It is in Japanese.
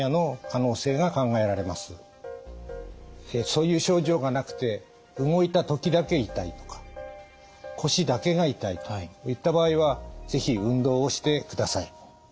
そういう症状がなくて動いた時だけ痛いとか腰だけが痛いといった場合は是非運動をしてください。